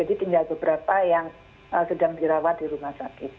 jadi tinggal beberapa yang sedang dirawat di rumah sakit